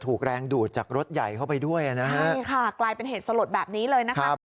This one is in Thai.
ไม่ควรทั้งนั้นเลยเพราะว่าบางทีมันจะเป็นจุดอับ